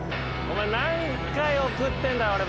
お前何回送ってんだ俺